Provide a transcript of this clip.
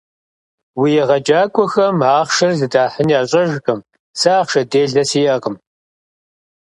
Уи егъэджакӀуэхэм ахъшэр зыдахьын ящӀэжкъым, сэ ахъшэ делэ сиӀэкъым.